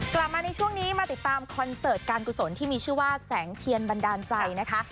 กลับมาในช่วงนี้มาติดตามคอนเสิร์ตการกุศลที่มีชื่อว่าแสงเทียนบันดาลใจนะคะ